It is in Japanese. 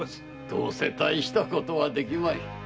どうせ大したことはできまい。